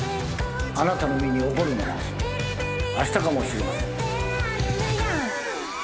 あなたの身に起こるのはあしたかもしれません。